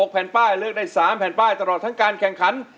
แผ่นป้ายเลือกได้๓แผ่นป้ายตลอดทั้งการแข่งขัน